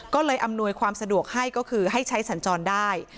ก็เลยอำนวยความสะดวกให้ก็คือให้ใช้สัญจรได้